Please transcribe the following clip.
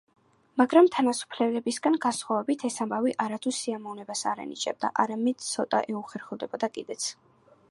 მაგრამ თანასოფლელებისგან განსხვავებით ეს ამბავი არა თუ სიამოვნებას არ ანიჭებდა, არამედ ცოტა ეუხერხულებოდა კიდეც.